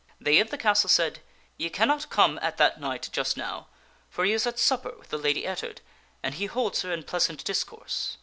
They of the castle said, " Ye cannot come at that knight just now, for he is at supper with the Lady Ettard, and he holds her in pleasant discourse."